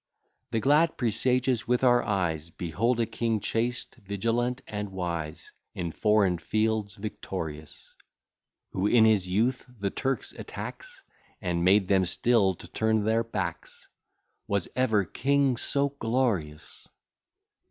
The glad presages with our eyes Behold a king, chaste, vigilant, and wise, In foreign fields victorious, Who in his youth the Turks attacks, And [made] them still to turn their backs; Was ever king so glorious?